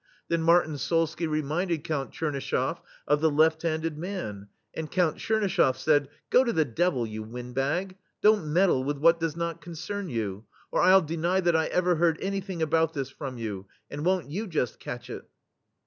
Then Martyn Solsky reminded Count TchernyschefF of the left handed man, and Count TchernyschefF said: "Go to the devil, you windbag ! Don't meddle with what does not concern you, or I '11 deny that I ever heard anything about this from you — and won't you just catch it!"